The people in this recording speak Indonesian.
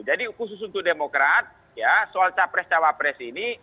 jadi khusus untuk demokrat soal capres cewapres ini